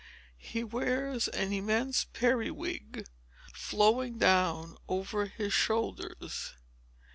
He wears an immense periwig, flowing down over his shoulders.